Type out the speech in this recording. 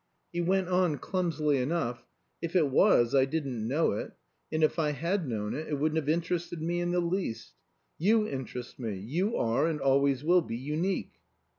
He went on clumsily enough "If it was, I didn't know it, and if I had known it, it wouldn't have interested me in the least. You interest me; you are, and always will be, unique."